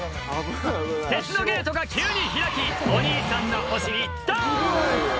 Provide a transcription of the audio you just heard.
鉄のゲートが急に開きお兄さんのお尻ドン！